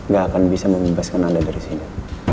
gak akan bisa membebaskan anda dari sini